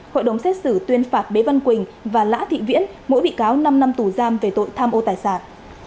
hội đồng xét xử tuyên phạt bế văn quỳnh và lã thị viễn mỗi bị cáo năm năm tù giam về tội tham ô tài sản